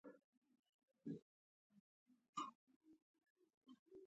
څوک د ګیډې، څوک د سر غم وي اخیستی